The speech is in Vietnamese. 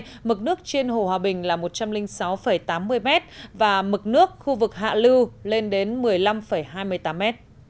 mở cửa xả đáy số hai mực nước trên hồ hòa bình là một trăm linh sáu tám mươi m và mực nước khu vực hạ lưu lên đến một mươi năm hai mươi tám m